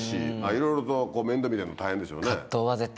いろいろと面倒見るのも大変でしょうね。